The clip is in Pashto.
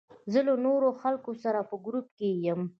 زه له نورو خلکو سره په ګروپ کې یم.